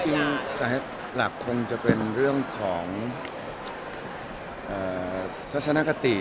สาเหตุหลักคงจะเป็นเรื่องของทัศนคติ